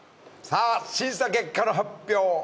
さぁ審査結果の発表